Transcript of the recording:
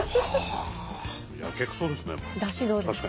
やけくそですね。